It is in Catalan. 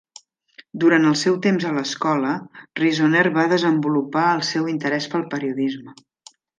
Durant el seu temps a l'escola, Reasoner va desenvolupar el seu interès pel periodisme.